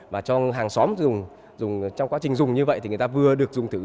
và cho hàng xóm dùng trong quá trình dùng như vậy thì người ta vừa được dùng thử